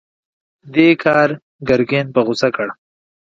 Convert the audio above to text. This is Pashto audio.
دې کار ګرګين په غوسه کړ.